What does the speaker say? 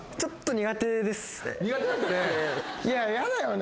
苦手だったね。